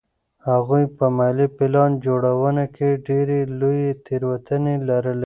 هغوی په مالي پلان جوړونه کې ډېرې لویې تېروتنې لرلې.